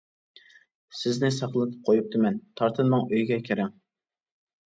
سىزنى ساقلىتىپ قويۇپتىمەن، تارتىنماڭ، ئۆيگە كىرىڭ!